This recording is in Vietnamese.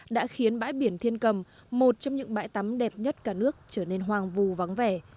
đã khiến bãi biển thiên cầm một trong những bãi tắm đẹp nhất cả nước trở nên hoang vù vắng vẻ